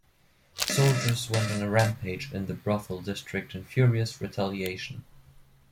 Soldiers went on a rampage in the brothel district in furious retaliation.